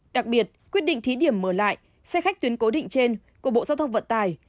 đặc biệt quyết định thí điểm mở lại xe khách tuyến cố định trên của bộ giao thông vận tải